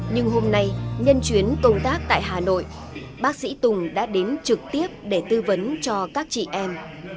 nhưng hôm nay nhân chuyến công tác tại hà nội bác sĩ tùng đã đến trực tiếp để tư vấn cho các chị em